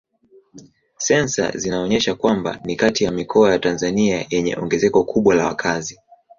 Sensa zinaonyesha kwamba ni kati ya mikoa ya Tanzania yenye ongezeko kubwa la wakazi.